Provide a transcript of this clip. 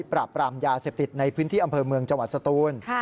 ปราบปรามยาเสพติดในพื้นที่อำเภอเมืองจังหวัดสตูน